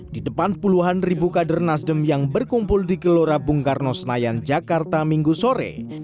di depan puluhan ribu kader nasdem yang berkumpul di gelora bung karno senayan jakarta minggu sore